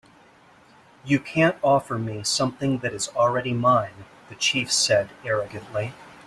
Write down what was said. "You can't offer me something that is already mine," the chief said, arrogantly.